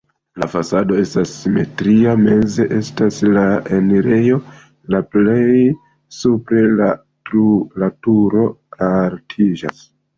La fasado estas simetria, meze estas la enirejo, la plej supre la turo altiĝas.